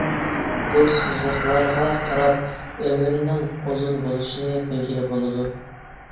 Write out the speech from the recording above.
بۇ سىزىقلارغا قاراپ ئۆمۈرنىڭ ئۇزۇن بولۇشىنى بىلگىلى بولىدۇ.